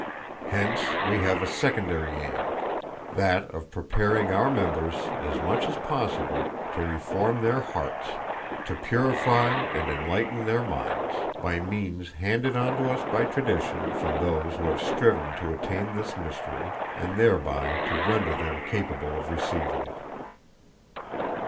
Hence we have a secondary aim, that of preparing our members as much as possible to reform their hearts, to purify and enlighten their minds, by means handed on to us by tradition from those who have striven to attain this mystery, and thereby to render them capable of receiving it.